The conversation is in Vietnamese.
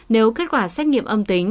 nếu kết quả xét nghiệm âm tính